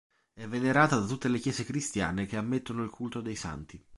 È venerata da tutte le Chiese Cristiane che ammettono il culto dei santi.